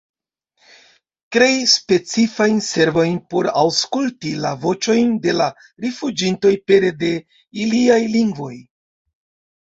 Krei specifajn servojn por aŭskulti la voĉojn de la rifuĝintoj pere de iliaj lingvoj.